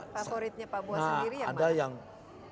favoritnya pak buas sendiri yang mana